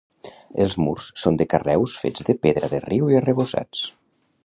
Els murs són de carreus fets de pedra de riu i arrebossats.